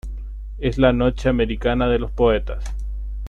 es la noche americana de los poetas.